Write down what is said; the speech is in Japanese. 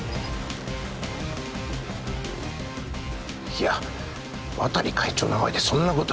いや渡利会長の前でそんなこと